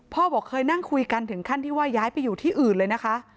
บอกเคยนั่งคุยกันถึงขั้นที่ว่าย้ายไปอยู่ที่อื่นเลยนะคะ